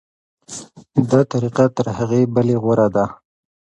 دا طریقه تر هغې بلې غوره ده.